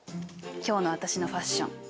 今日の私のファッション。